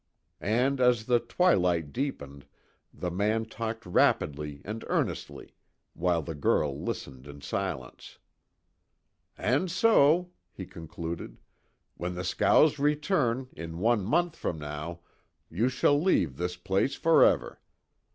And, as the twilight deepened, the man talked rapidly and earnestly, while the girl listened in silence. "And so," he concluded, "When the scows return, in one month from now, you shall leave this place forever.